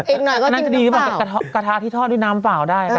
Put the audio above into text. อีกหน่อยก็กินน้ำเปล่าน่าจะดีกว่ากระทะที่ทอดด้วยน้ำเปล่าได้